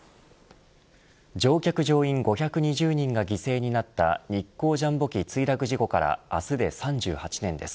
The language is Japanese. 乗客乗員５２０人が犠牲になった日航ジャンボ機墜落事故から明日で３８年です。